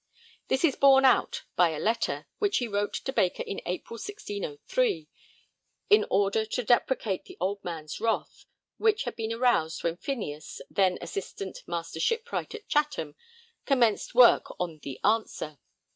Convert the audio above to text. This is borne out by a letter which he wrote to Baker in April 1603, in order to deprecate the old man's wrath, which had been aroused when Phineas, then Assistant Master Shipwright at Chatham, commenced work on the Answer.